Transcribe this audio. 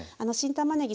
たまねぎ